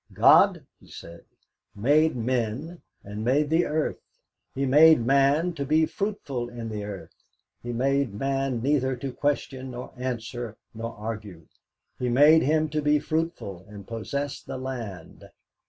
God he said made men, and made the earth; He made man to be fruitful in the earth; He made man neither to question nor answer nor argue; He made him to be fruitful and possess the land.